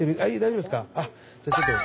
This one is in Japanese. あっじゃあちょっと。